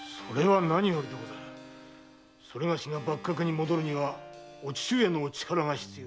某が幕閣に戻るにはお父上のお力が必要。